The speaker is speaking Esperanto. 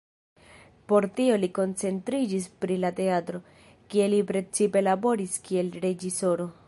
Por tio li koncentriĝis pri la teatro, kie li precipe laboris kiel reĝisoro.